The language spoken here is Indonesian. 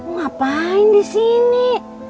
lu ngapain di sini